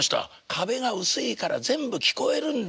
「壁が薄いから全部聞こえるんだ。